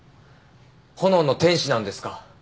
炎の天使なんですか？